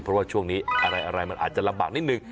เพราะว่าช่วงนี้อะไรมันอาจจะลำบากนิดนึง